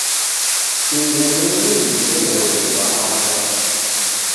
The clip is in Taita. Tungurenyi disoghode kwa Aba.